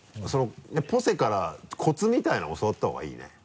ポセからコツみたいなの教わった方がいいね。